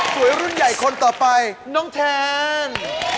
รุ่นใหญ่คนต่อไปน้องแทน